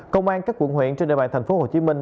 công an các quận huyện trên địa bàn thành phố hồ chí minh